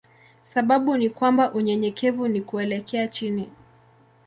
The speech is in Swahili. Sababu ni kwamba unyenyekevu ni kuelekea chini.